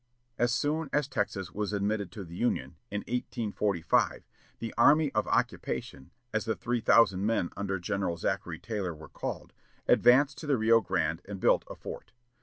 As soon as Texas was admitted to the Union, in 1845, the "army of occupation," as the three thousand men under General Zachary Taylor were called, advanced to the Rio Grande and built a fort.